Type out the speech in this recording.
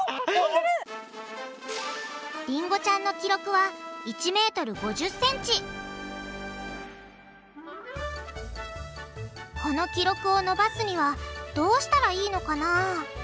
りんごちゃんの記録はこの記録を伸ばすにはどうしたらいいのかな？